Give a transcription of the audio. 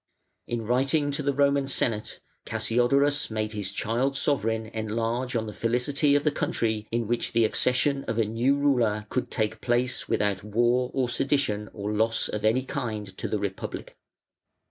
In writing to the Roman Senate, Cassiodorus made his child sovereign enlarge on the felicity of the country in which the accession of a new ruler could take place without war or sedition or loss of any kind to the republic.